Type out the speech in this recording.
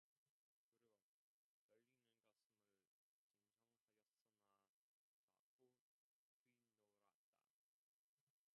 그리고 떨리는 가슴을 진정하였으나 자꾸 뛰놀았다.